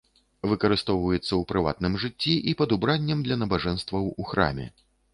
Выкарыстоўваецца ў прыватным жыцці і пад убраннем для набажэнстваў у храме.